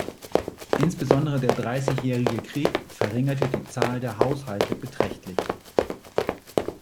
Insbesondere der Dreißigjährige Krieg verringerte die Zahl der Haushalte beträchtlich.